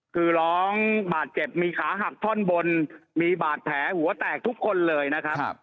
คือร้องบาดเจ็บมีขาหักท่อนบนมีบาดแผลหัวแตกทุกคนเลยนะครับ